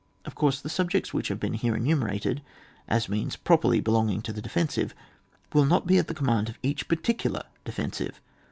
Of course the subjects which have been here enumerated as means properly be longing to the defensive will not be at the command of each particular defen sive.